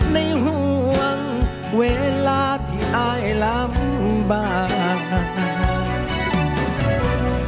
ในห่วงเวลาที่อายลำบาก